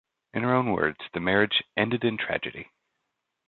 In her own words, the marriage 'ended in tragedy'.